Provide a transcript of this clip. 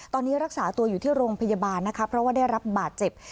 ตอนนี้รักษาตัวอยู่ที่โรงพยาบาลนะคะเพราะว่าได้รับบาดเจ็บ